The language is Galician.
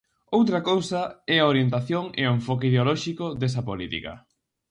Outra cousa é a orientación e o enfoque ideolóxico desa política.